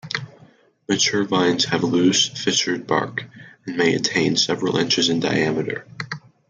Mature vines have loose, fissured bark, and may attain several inches in diameter.